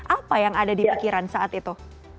apa yang ada di pikiran saat itu